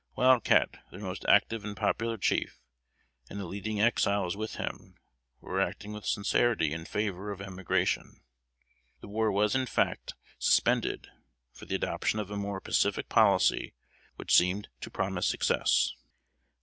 Wild Cat, their most active and popular chief, and the leading Exiles with him, were acting with sincerity in favor of emigration. The war was in fact suspended, for the adoption of a more pacific policy, which seemed to promise success.